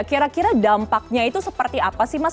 kira kira dampaknya itu seperti apa sih mas